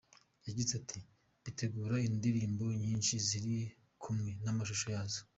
Yagize ati: "Bitegure indirimbo nyinshi ziri kumwe n'amashusho yazo".